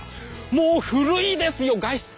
もう古いですよ画質。